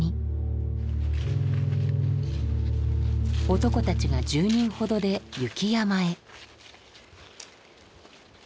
男たちが１０人ほどで雪山へ。